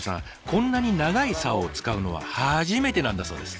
こんなに長いサオを使うのは初めてなんだそうです。